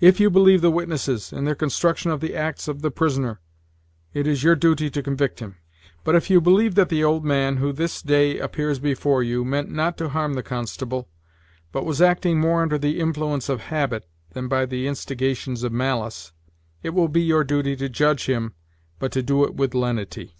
If you believe the witnesses, in their construction of the acts of the prisoner, it is your duty to convict him; but if you believe that the old man, who this day appears before you, meant not to harm the constable, but was acting more under the influence of habit than by the instigations of malice, it will be your duty to judge him, but to do it with lenity."